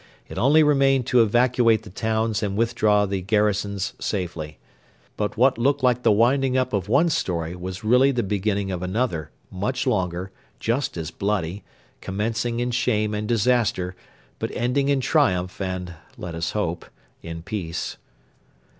It only remained to evacuate the towns and withdraw the garrisons safely. But what looked like the winding up of one story was really the beginning of another, much longer, just as bloody, commencing in shame and disaster, but ending in triumph and, let us hope, in peace.